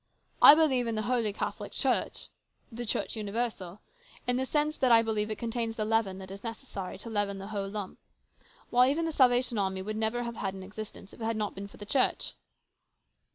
' I believe in the holy catholic Church '* in the sense that I believe it contains the leaven that is necessary to leaven the whole lump. Why, even the Salvation Army never would have had an existence if it had not been for the Church."